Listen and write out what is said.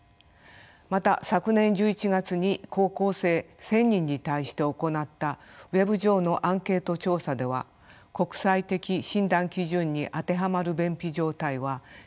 また昨年１１月に高校生１，０００人に対して行ったＷｅｂ上のアンケート調査では国際的診断基準に当てはまる便秘状態は２０．２％でした。